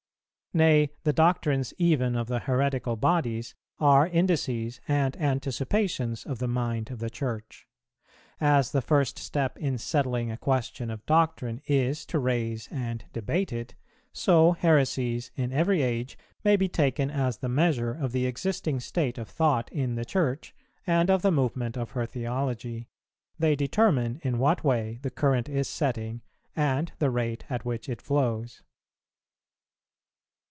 Nay, the doctrines even of the heretical bodies are indices and anticipations of the mind of the Church. As the first step in settling a question of doctrine is to raise and debate it, so heresies in every age may be taken as the measure of the existing state of thought in the Church, and of the movement of her theology; they determine in what way the current is setting, and the rate at which it flows.